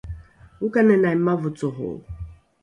okanenai mavocoro